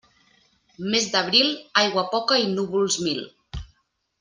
Mes d'abril, aigua poca i núvols mil.